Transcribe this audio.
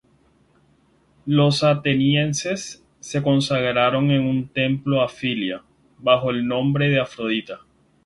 Los atenienses, consagraron un templo a Fila, bajo el nombre de Afrodita.